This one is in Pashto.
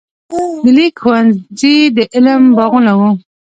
د لیک ښوونځي د علم باغونه وو.